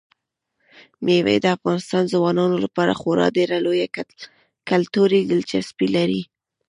مېوې د افغان ځوانانو لپاره خورا ډېره لویه کلتوري دلچسپي لري.